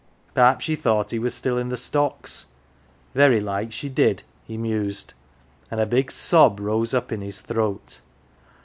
Perhaps she thought he was still in the stocks. Very like she did, he mused, and a big sob rose up in his throat.